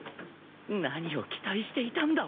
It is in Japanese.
何を期待していたんだ？